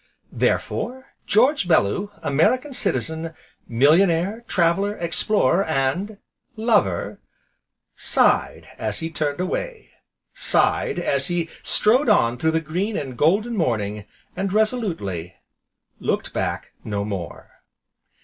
Therefore George Bellew, American Citizen, millionaire, traveller, explorer, and LOVER, sighed as he turned away, sighed as he strode on through the green and golden morning, and resolutely looked back no more.